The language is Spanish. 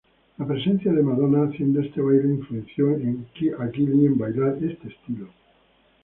La presencia de Madonna haciendo este baile influenció a Kylie en bailar este estilo.